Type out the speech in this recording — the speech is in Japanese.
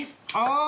ああ！